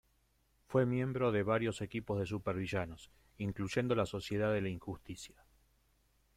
Fue miembro de varios equipos de supervillanos, incluyendo la Sociedad de la injusticia.